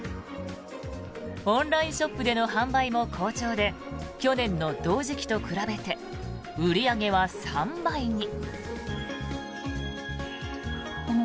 オンラインショップでの販売も好調で去年の同時期と比べて売り上げは３倍に。